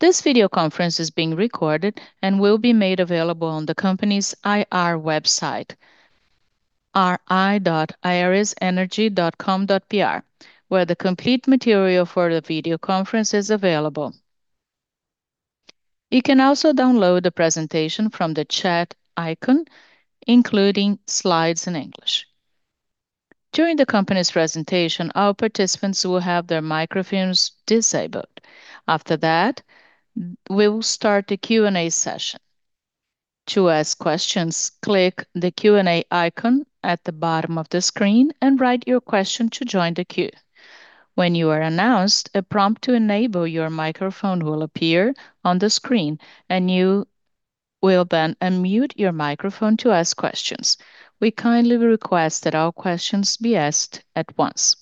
This video conference is being recorded and will be made available on the company's IR website, ri.aerisenergy.com.br, where the complete material for the video conference is available. You can also download the presentation from the Chat icon, including slides in English. During the company's presentation, all participants will have their microphones disabled. After that, we will start the Q&A session. To ask questions, click the Q&A icon at the bottom of the screen and write your question to join the queue. When you are announced, a prompt to enable your microphone will appear on the screen, and you will then unmute your microphone to ask questions. We kindly request that all questions be asked at once.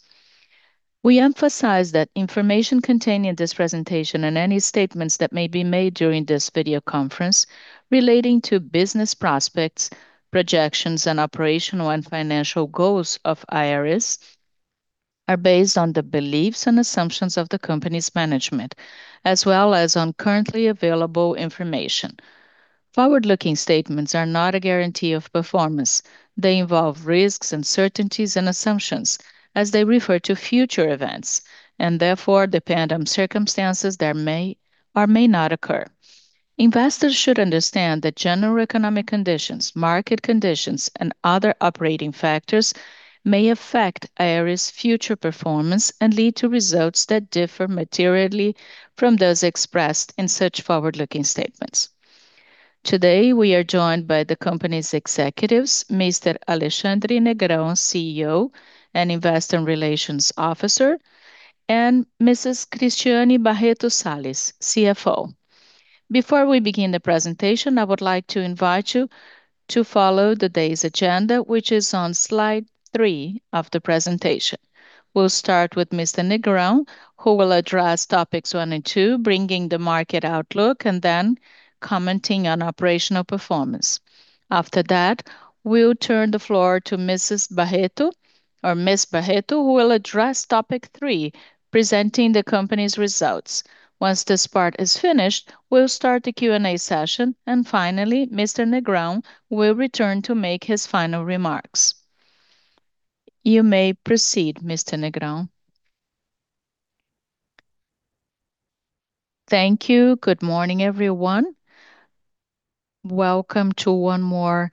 We emphasize that information contained in this presentation and any statements that may be made during this video conference relating to business prospects, projections, and operational and financial goals of Aeris are based on the beliefs and assumptions of the company's management, as well as on currently available information. Forward-looking statements are not a guarantee of performance. They involve risks, uncertainties, and assumptions as they refer to future events, and therefore depend on circumstances that may or may not occur. Investors should understand that general economic conditions, market conditions, and other operating factors may affect Aeris' future performance and lead to results that differ materially from those expressed in such forward-looking statements. Today, we are joined by the company's executives, Mr. Alexandre Negrão, CEO and Investor Relations Officer, and Mrs. Cristiane Barreto Sales, CFO. Before we begin the presentation, I would like to invite you to follow the day's agenda, which is on slide three of the presentation. We'll start with Mr. Negrão, who will address topics one and two, bringing the market outlook, then commenting on operational performance. After that, we'll turn the floor to Ms. Barreto, who will address topic three, presenting the company's results. Once this part is finished, we'll start the Q&A session, and finally, Mr. Negrão will return to make his final remarks. You may proceed, Mr. Negrão. Thank you. Good morning, everyone. Welcome to one more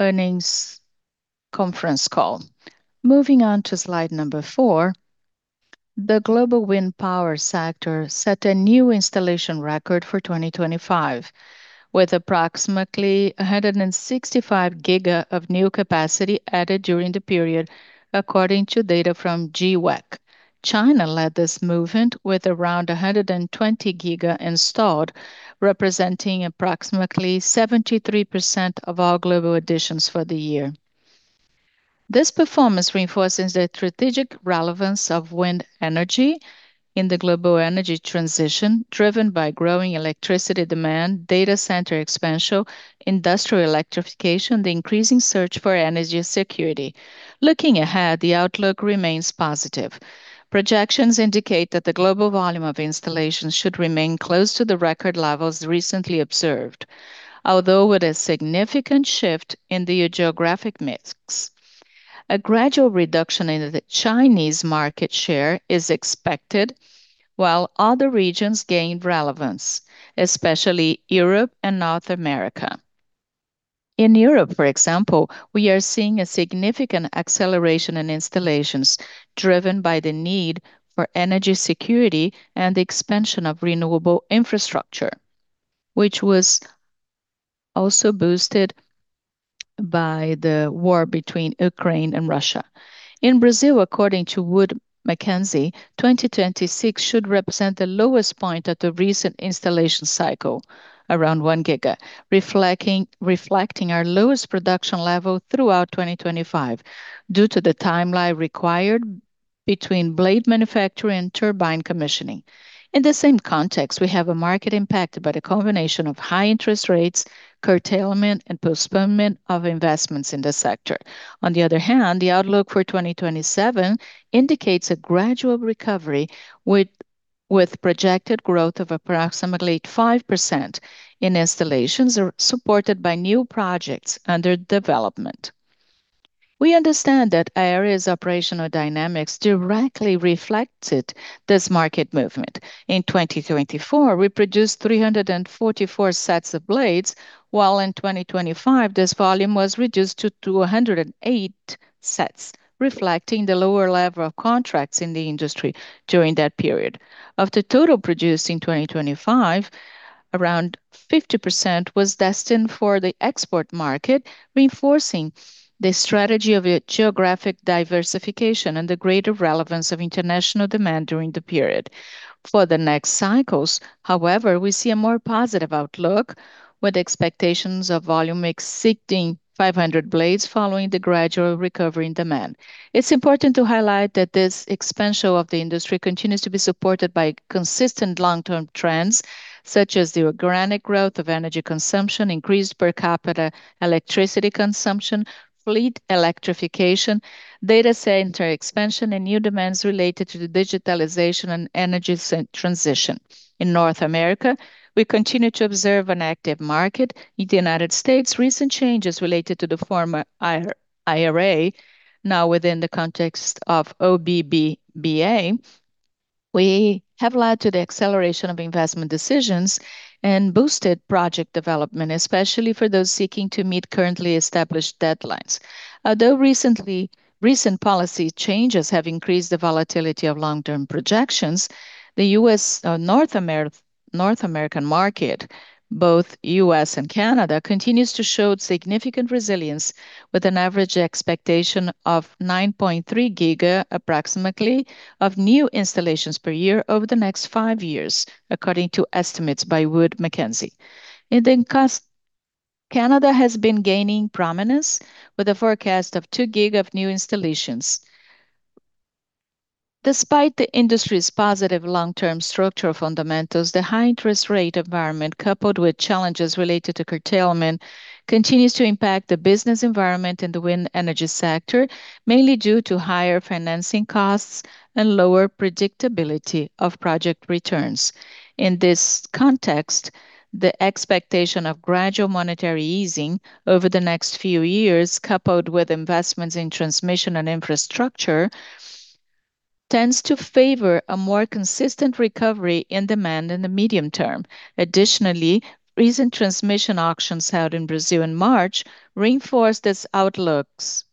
earnings conference call. Moving on to slide number four, the global wind power sector set a new installation record for 2025, with approximately 165 GW of new capacity added during the period, according to data from GWEC. China led this movement with around 120 GW installed, representing approximately 73% of all global additions for the year. This performance reinforces the strategic relevance of wind energy in the global energy transition, driven by growing electricity demand, data center expansion, industrial electrification, the increasing search for energy security. Looking ahead, the outlook remains positive. Projections indicate that the global volume of installations should remain close to the record levels recently observed, although with a significant shift in the geographic mix. A gradual reduction in the Chinese market share is expected, while other regions gain relevance, especially Europe and North America. In Europe, for example, we are seeing a significant acceleration in installations driven by the need for energy security and the expansion of renewable infrastructure, which was also boosted by the war between Ukraine and Russia. In Brazil, according to Wood Mackenzie, 2026 should represent the lowest point at the recent installation cycle, around 1 GW, reflecting our lowest production level throughout 2025 due to the timeline required between blade manufacture and turbine commissioning. In the same context, we have a market impacted by the combination of high interest rates, curtailment, and postponement of investments in this sector. On the other hand, the outlook for 2027 indicates a gradual recovery with projected growth of approximately 5% in installations, supported by new projects under development. We understand that Aeris' operational dynamics directly reflected this market movement. In 2024, we produced 344 sets of blades, while in 2025, this volume was reduced to 208 sets, reflecting the lower level of contracts in the industry during that period. Of the total produced in 2025, around 50% was destined for the export market, reinforcing the strategy of a geographic diversification and the greater relevance of international demand during the period. For the next cycles, however, we see a more positive outlook with expectations of volume exceeding 500 blades following the gradual recovery in demand. It's important to highlight that this expansion of the industry continues to be supported by consistent long-term trends such as the organic growth of energy consumption, increased per capita electricity consumption, fleet electrification, data center expansion, and new demands related to the digitalization and energy transition. In North America, we continue to observe an active market. In the U.S., recent changes related to the former IRA, now within the context of OBBBA, have led to the acceleration of investment decisions and boosted project development, especially for those seeking to meet currently established deadlines. Although recent policy changes have increased the volatility of long-term projections, the U.S., North American market, both U.S. and Canada, continues to show significant resilience, with an average expectation of 9.3 GW approximately of new installations per year over the next five years, according to estimates by Wood Mackenzie. Canada has been gaining prominence with a forecast of 2 GW of new installations. Despite the industry's positive long-term structural fundamentals, the high interest rate environment, coupled with challenges related to curtailment, continues to impact the business environment in the wind energy sector, mainly due to higher financing costs and lower predictability of project returns. In this context, the expectation of gradual monetary easing over the next few years, coupled with investments in transmission and infrastructure, tends to favor a more consistent recovery in demand in the medium term. Additionally, recent transmission auctions held in Brazil in March reinforced its outlooks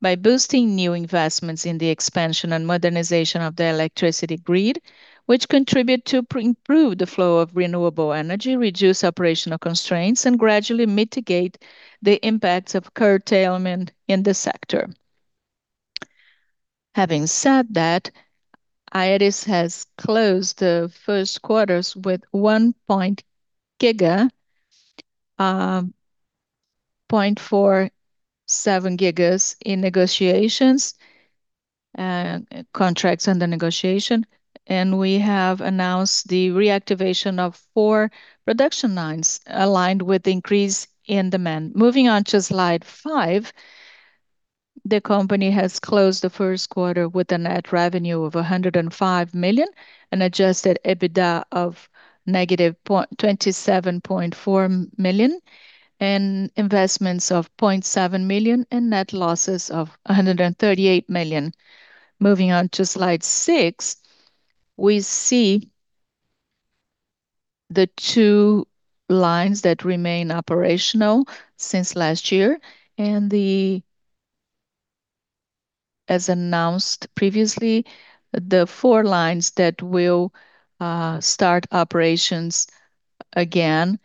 by boosting new investments in the expansion and modernization of the electricity grid, which contribute to improve the flow of renewable energy, reduce operational constraints, and gradually mitigate the impacts of curtailment in the sector. Having said that, Aeris has closed the first quarter with 1.47 GW in negotiations, contracts under negotiation, and we have announced the reactivation of four production lines aligned with the increase in demand. Moving on to slide five, the company has closed the first quarter with a net revenue of 105 million, an adjusted EBITDA of -27.4 million, and investments of 0.7 million, and net losses of 138 million. Moving on to slide six, we see the two lines that remain operational since last year. The, as announced previously, the four lines that will start operations again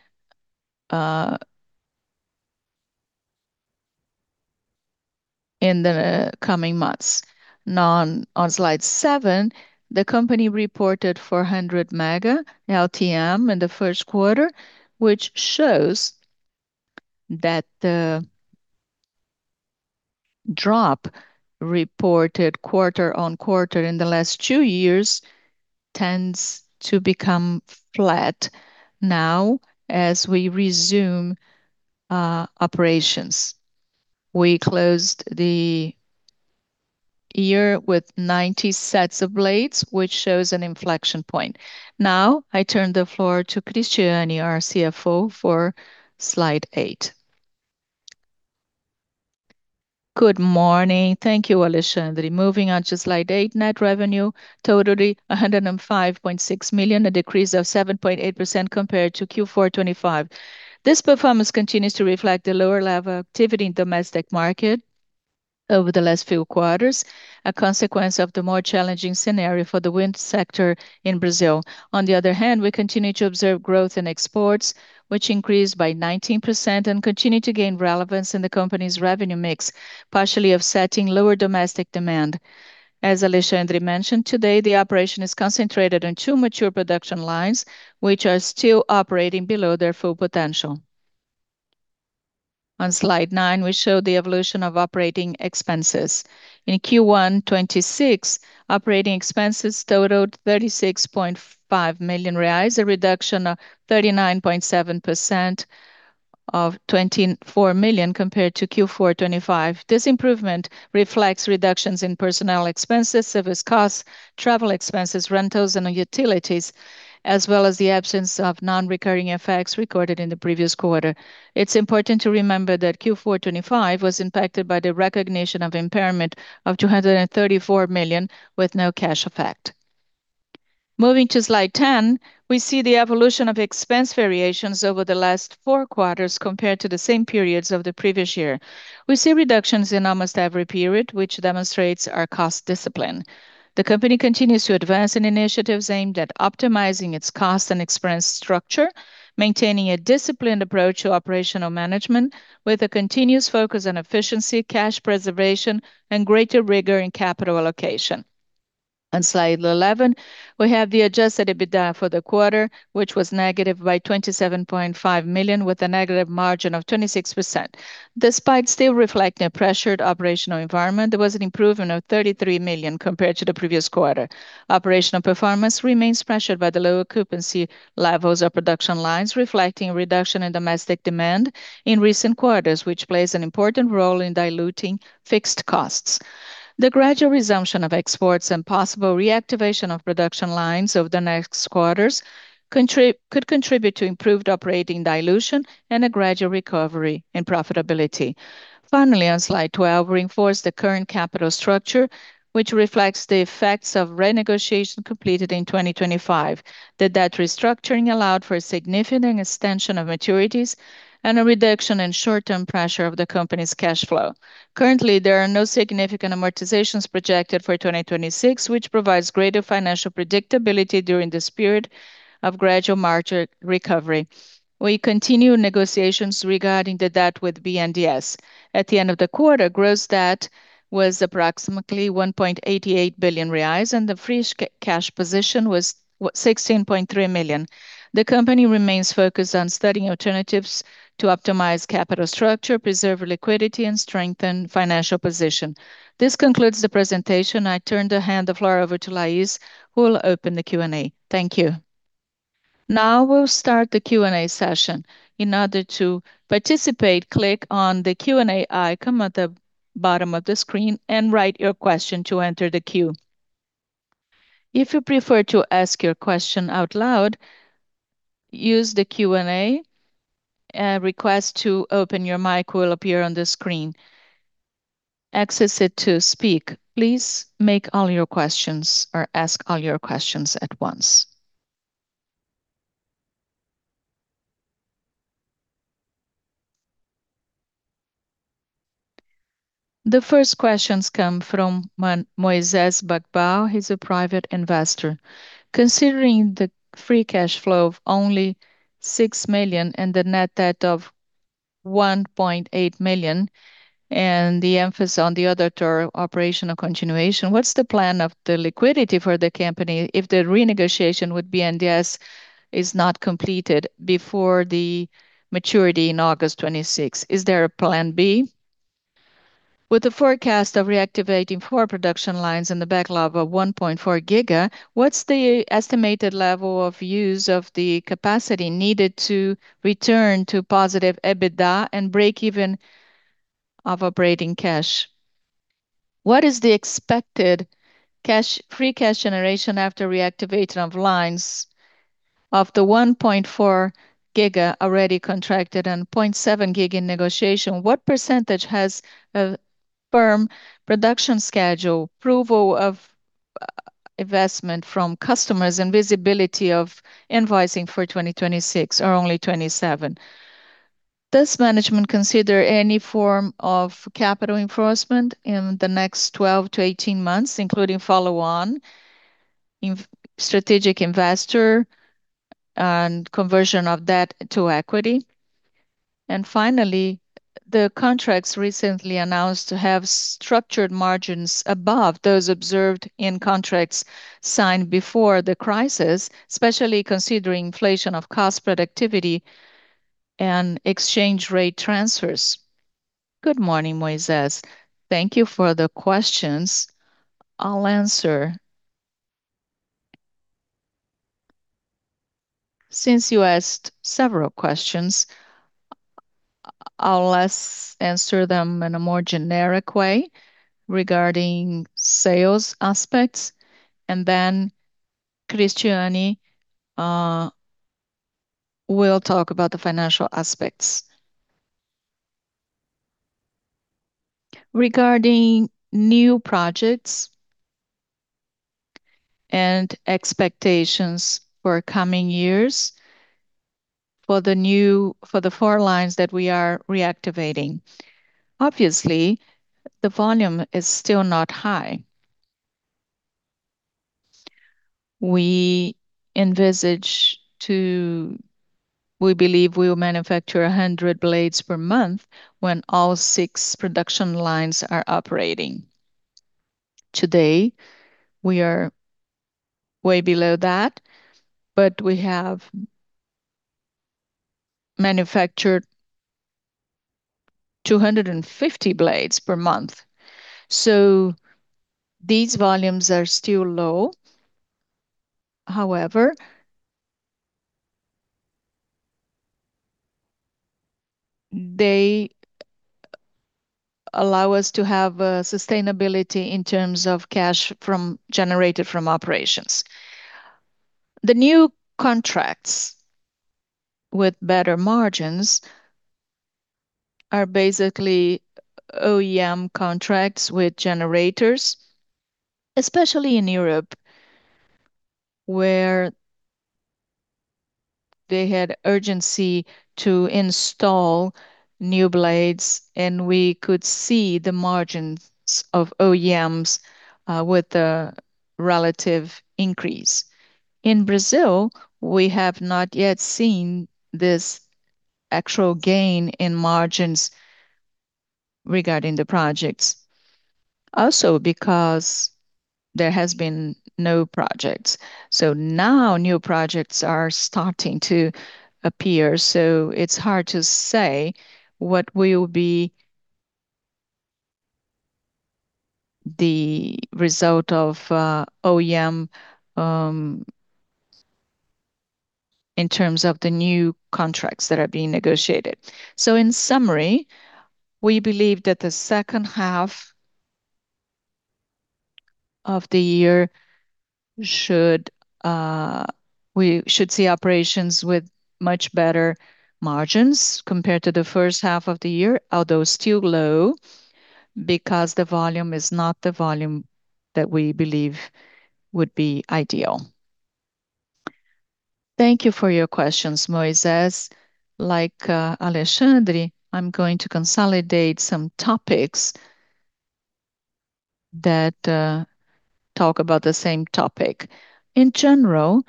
in the coming months. On slide seven, the company reported 400 MW LTM in the first quarter, which shows that the drop reported quarter-on-quarter in the last two years tends to become flat now as we resume operations. We closed the year with 90 sets of blades, which shows an inflection point. Now I turn the floor to Cristiane, our CFO, for slide eight. Good morning. Thank you, Alexandre. Moving on to slide eight, net revenue totaled 105.6 million, a decrease of 7.8% compared to Q4 2025. This performance continues to reflect the lower level activity in domestic market over the last few quarters, a consequence of the more challenging scenario for the wind sector in Brazil. On the other hand, we continue to observe growth in exports, which increased by 19% and continue to gain relevance in the company's revenue mix, partially offsetting lower domestic demand. As Alexandre mentioned today, the operation is concentrated on two mature production lines, which are still operating below their full potential. On slide nine, we show the evolution of operating expenses. In Q1 2026, operating expenses totaled 36.5 million reais, a reduction of 39.7%, of 24 million compared to Q4 2025. This improvement reflects reductions in personnel expenses, service costs, travel expenses, rentals, and utilities, as well as the absence of non-recurring effects recorded in the previous quarter. It's important to remember that Q4 2025 was impacted by the recognition of impairment of 234 million, with no cash effect. Moving to slide 10, we see the evolution of expense variations over the last four quarters compared to the same periods of the previous year. We see reductions in almost every period, which demonstrates our cost discipline. The company continues to advance in initiatives aimed at optimizing its cost and expense structure, maintaining a disciplined approach to operational management with a continuous focus on efficiency, cash preservation, and greater rigor in capital allocation. On slide 11, we have the adjusted EBITDA for the quarter, which was negative by 27.5 million, with a negative margin of 26%. Despite still reflecting a pressured operational environment, there was an improvement of 33 million compared to the previous quarter. Operational performance remains pressured by the lower occupancy levels of production lines, reflecting a reduction in domestic demand in recent quarters, which plays an important role in diluting fixed costs. The gradual resumption of exports and possible reactivation of production lines over the next quarters could contribute to improved operating dilution and a gradual recovery in profitability. Finally, on slide 12, we reinforce the current capital structure, which reflects the effects of renegotiation completed in 2025. The debt restructuring allowed for a significant extension of maturities and a reduction in short-term pressure of the company's cash flow. Currently, there are no significant amortizations projected for 2026, which provides greater financial predictability during this period of gradual margin recovery. We continue negotiations regarding the debt with BNDES. At the end of the quarter, gross debt was approximately 1.88 billion reais, and the free cash position was, what, 16.3 million. The company remains focused on studying alternatives to optimize capital structure, preserve liquidity, and strengthen financial position. This concludes the presentation. I turn the floor over to Laís, who will open the Q&A. Thank you. Now we'll start the Q&A session. In order to participate, click on the Q&A icon at the bottom of the screen and write your question to enter the queue. If you prefer to ask your question out loud, use the Q&A. A request to open your mic will appear on the screen. Access it to speak. Please make all your questions or ask all your questions at once. The first questions come from Moises Bacbau. He's a private investor. Considering the free cash flow of only 6 million and the net debt of 1.8 million and the emphasis on the auditor operational continuation, what's the plan of the liquidity for the company if the renegotiation with BNDES is not completed before the maturity in August 26? Is there a plan B? With the forecast of reactivating four production lines and the backlog of 1.4 GW, what's the estimated level of use of the capacity needed to return to positive EBITDA and break even of operating cash? What is the expected cash, free cash generation after reactivation of lines of the 1.4 GW already contracted and 0.7 GW in negotiation? What percentage has a firm production schedule, approval of investment from customers, and visibility of invoicing for 2026 or only 2027? Does management consider any form of capital enforcement in the next 12-18 months, including follow-on strategic [investments] and conversion of debt to equity? Finally, the contracts recently announced have structured margins above those observed in contracts signed before the crisis, especially considering inflation of cost productivity and exchange rate transfers. Good morning, Moises. Thank you for the questions. I'll answer Since you asked several questions, I'll just answer them in a more generic way regarding sales aspects, and then Cristiane will talk about the financial aspects. Regarding new projects and expectations for coming years for the new, for the four lines that we are reactivating, obviously, the volume is still not high. We believe we will manufacture 100 blades per month when all six production lines are operating. Today, we are way below that, but we have manufactured 250 blades per month. These volumes are still low. However, they allow us to have sustainability in terms of cash from, generated from operations. The new contracts with better margins are basically OEM contracts with generators, especially in Europe, where they had urgency to install new blades, and we could see the margins of OEMs with a relative increase. In Brazil, we have not yet seen this actual gain in margins regarding the projects. Also because there has been no projects, so now new projects are starting to appear, so it's hard to say what will be the result of OEM in terms of the new contracts that are being negotiated. In summary, we believe that the second half of the year should, we should see operations with much better margins compared to the first half of the year, although still low because the volume is not the volume that we believe would be ideal. Thank you for your questions, Moises. Like, Alexandre, I'm going to consolidate some topics that talk about the same topic. In general,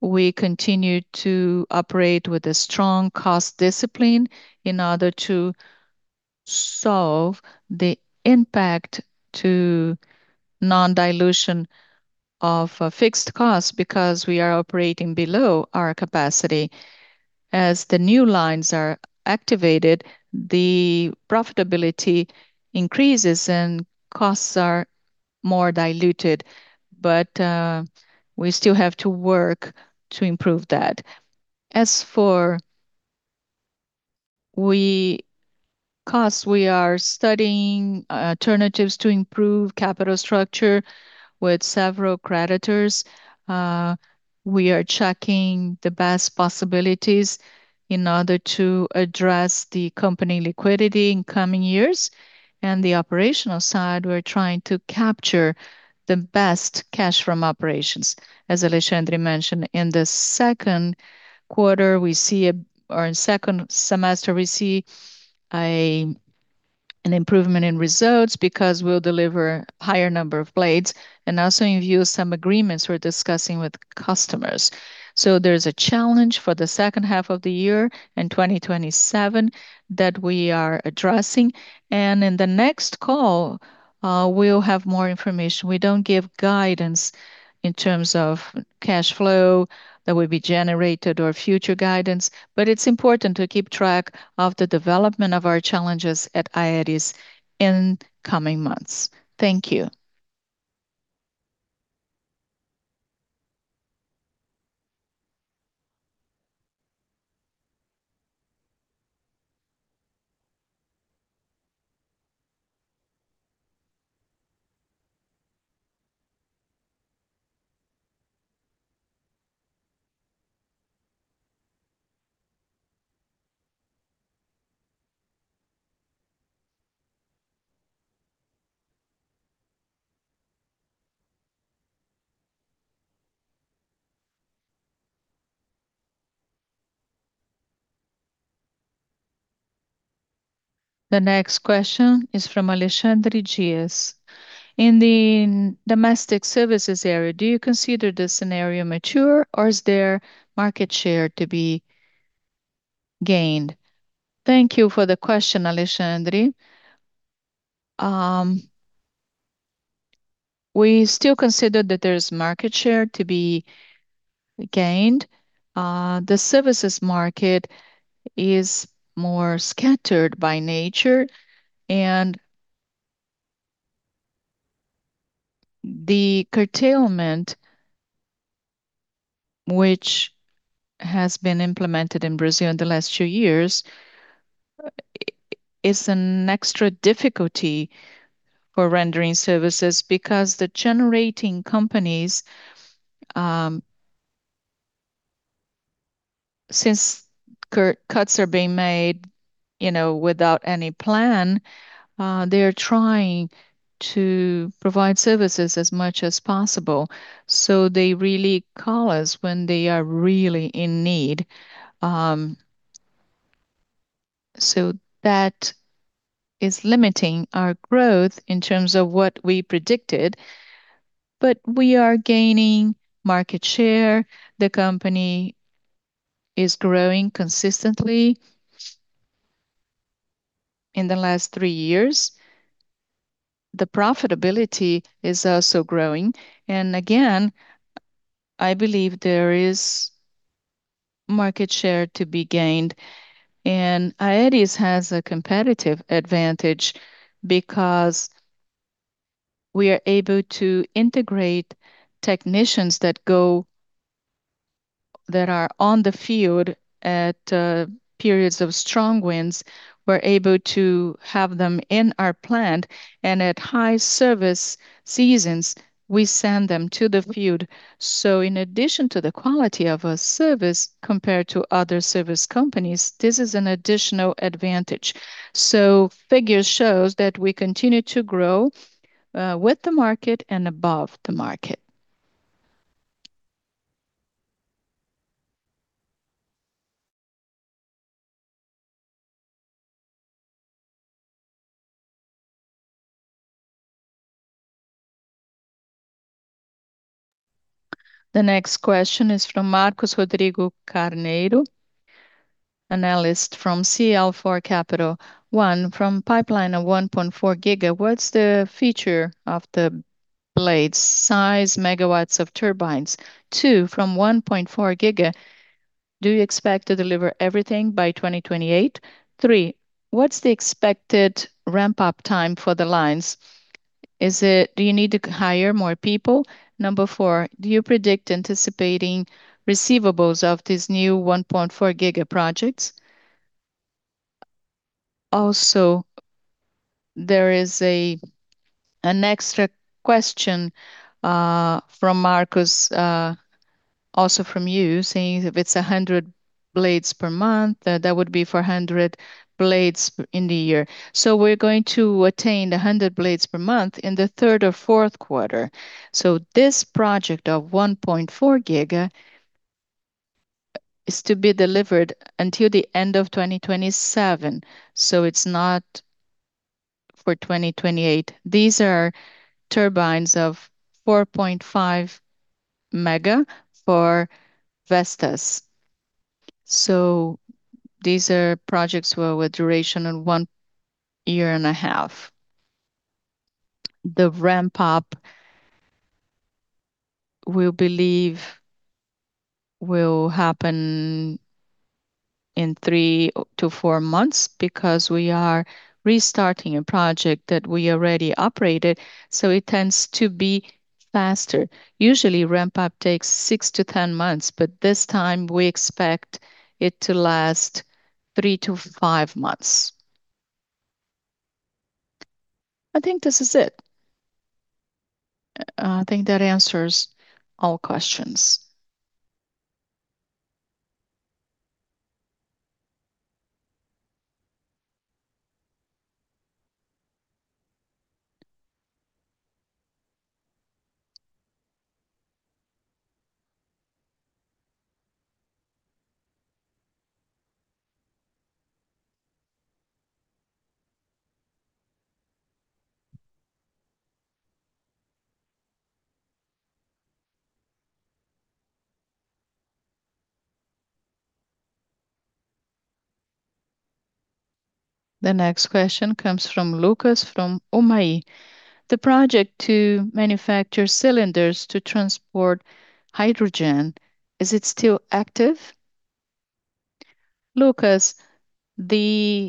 we continue to operate with a strong cost discipline in order to solve the impact to non-dilution of a fixed cost because we are operating below our capacity. As the new lines are activated, the profitability increases and costs are more diluted. We still have to work to improve that. As for costs, we are studying alternatives to improve capital structure with several creditors. We are checking the best possibilities in order to address the company liquidity in coming years. In the operational side, we're trying to capture the best cash from operations. As Alexandre mentioned, in the second quarter we see or in second semester we see an improvement in results because we'll deliver higher number of blades, and also in view of some agreements we're discussing with customers. There's a challenge for the second half of the year in 2027 that we are addressing. In the next call, we'll have more information. We don't give guidance in terms of cash flow that will be generated or future guidance, but it's important to keep track of the development of our challenges at Aeris in coming months. Thank you. The next question is from Alexandre [Gies]. In the domestic services area, do you consider the scenario mature or is there market share to be gained? Thank you for the question, Alexandre. We still consider that there's market share to be gained. The services market is more scattered by nature, and the curtailment which has been implemented in Brazil in the last two years, is an extra difficulty for rendering services because the generating companies, since cuts are being made, you know, without any plan, they're trying to provide services as much as possible, so they really call us when they are really in need. That is limiting our growth in terms of what we predicted, but we are gaining market share. The company is growing consistently in the last three years. The profitability is also growing. Again, I believe there is market share to be gained, and Aeris has a competitive advantage because we are able to integrate technicians that are on the field at periods of strong winds. We're able to have them in our plant. At high-service seasons, we send them to the field. In addition to the quality of our service compared to other service companies, this is an additional advantage. Figures shows that we continue to grow with the market and above the market. The next question is from Marcos Rodrigo Carneiro, analyst from CL4 Capital. One, from pipeline of 1.4 GW, what's the feature of the blades size/megawatts of turbines? Two, from 1.4 GW, do you expect to deliver everything by 2028? Three, what's the expected ramp-up time for the lines? Do you need to hire more people? Number four, do you predict anticipating receivables of these new 1.4 GW projects? There is an extra question from Marcos, also from you, saying if it's 100 blades per month, that would be 400 blades in the year. We're going to attain 100 blades per month in the third or fourth quarter. This project of 1.4 GW is to be delivered until the end of 2027, so it's not for 2028. These are turbines of 4.5 MW for Vestas. These are projects with a duration of a year and a half. The ramp-up, we believe, will happen in three to four months because we are restarting a project that we already operated, so it tends to be faster. Usually, ramp-up takes 6-10 months, but this time we expect it to last three to five months. I think this is it. I think that answers all questions. The next question comes from Lucas from [Omai]. The project to manufacture cylinders to transport hydrogen, is it still active? Lucas, this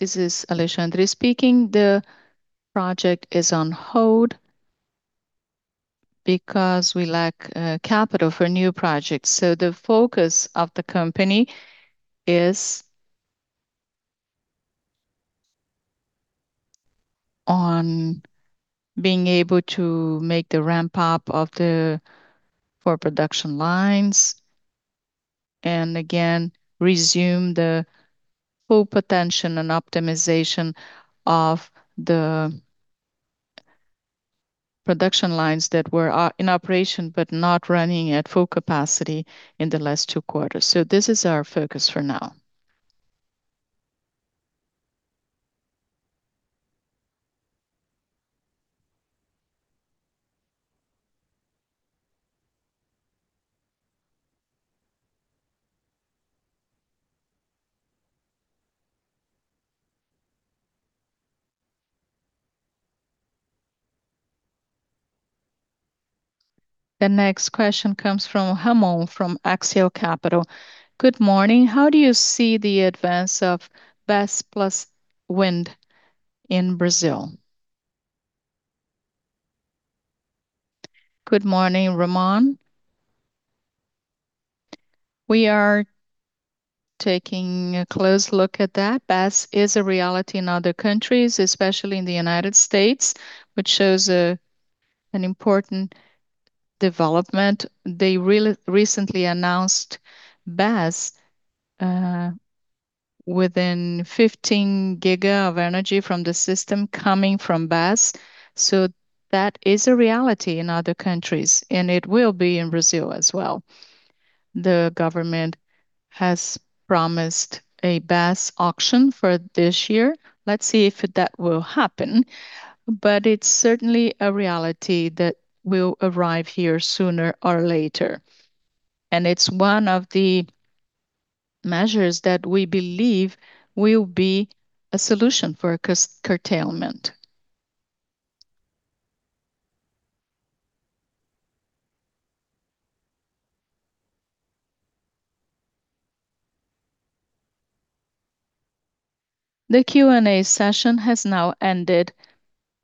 is Alexandre speaking. The project is on hold because we lack capital for new projects. The focus of the company is on being able to make the ramp-up of the four production lines, and again, resume the full potential and optimization of the production lines that were in operation but not running at full capacity in the last two quarters. This is our focus for now. The next question comes from Ramon from Axial Capital. Good morning. How do you see the advance of BESS plus wind in Brazil? Good morning, Ramon. We are taking a close look at that. BESS is a reality in other countries, especially in the U.S., which shows an important development. They recently announced BESS within 15 GW of energy from the system coming from BESS. That is a reality in other countries, and it will be in Brazil as well. The government has promised a BESS auction for this year. Let's see if that will happen. It's certainly a reality that will arrive here sooner or later, and it's one of the measures that we believe will be a solution for curtailment. The Q&A session has now ended.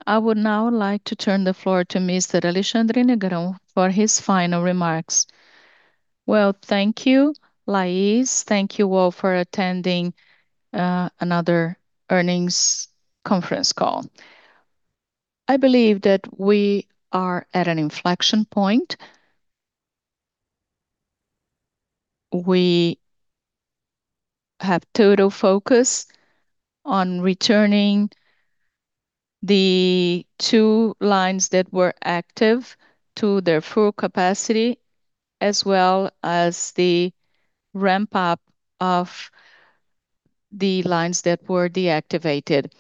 I would now like to turn the floor to Mr. Alexandre Negrão for his final remarks. Well, thank you, Laís. Thank you all for attending another earnings conference call. I believe that we are at an inflection point. We have total focus on returning the two lines that were active to their full capacity, as well as the ramp-up of the lines that were deactivated.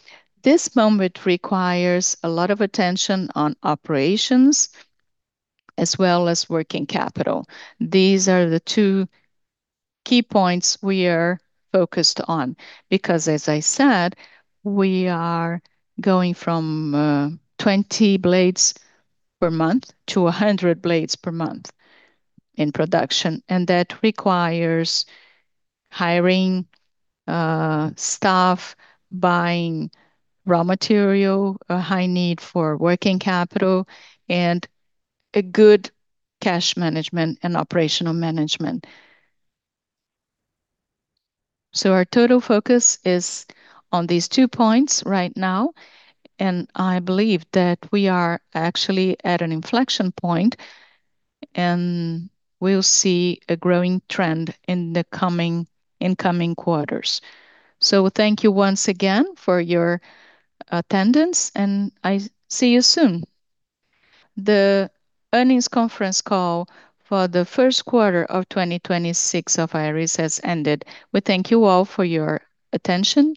This moment requires a lot of attention on operations as well as working capital. These are the two key points we are focused on. As I said, we are going from 20 blades per month to 100 blades per month in production, and that requires hiring staff, buying raw material, a high need for working capital, and a good cash management and operational management. Our total focus is on these two points right now, and I believe that we are actually at an inflection point, and we will see a growing trend in the coming, in coming quarters. Thank you once again for your attendance, and I see you soon. The earnings conference call for the first quarter of 2026 of Aeris has ended. We thank you all for your attention.